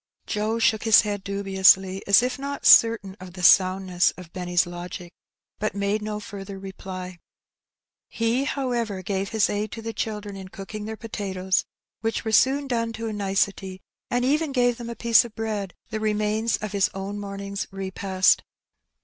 Joe shook his head dubiously as if not certain of the sound ness of Benny's logic, but made no further reply. He, however, gave his aid to the children in cooking their potatoes, which were soon done to a nicety, and even gave them a piece of bread, the remains of his own morning's repast.